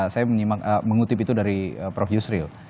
saya mengutip itu dari prof yusril